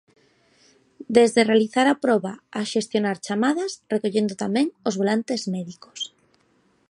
Desde realizar a proba a xestionar chamadas recollendo tamén os volantes médicos.